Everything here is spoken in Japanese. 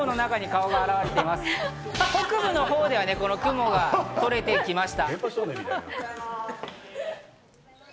北部のほうでは雲が取れてきました。